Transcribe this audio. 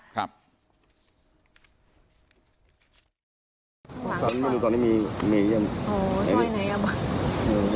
ครับ